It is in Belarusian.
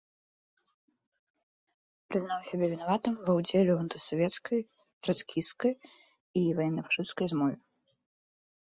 Прызнаў сябе вінаватым ва ўдзеле ў антысавецкай, трацкісцкай, ваенна-фашысцкай змове.